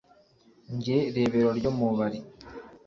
njye rebero ryo mu bali